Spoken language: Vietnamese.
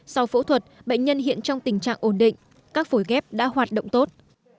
sau phẫu thuật bệnh nhân hiện trong tình trạng ổn định các phổi ghép đã hoạt động tốt